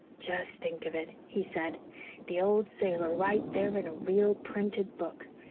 "Just think of it," he said, "the old sailor right there in a real printed book.